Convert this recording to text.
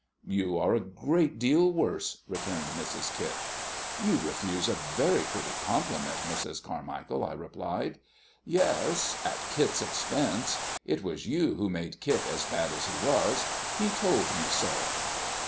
"You are a great deal worse," returned Mrs. Kit. "You refuse a very pretty compliment, Mrs. Carmichael," I replied. "Yes, at Kit's expense. It was you who made Kit as bad as he was. He told me so."